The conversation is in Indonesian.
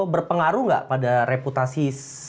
berpengaruh nggak pada reputasi